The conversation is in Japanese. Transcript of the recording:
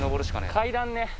階段ね。